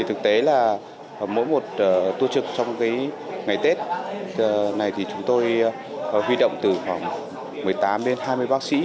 thực tế là mỗi một tu trực trong ngày tết này thì chúng tôi huy động từ khoảng một mươi tám đến hai mươi bác sĩ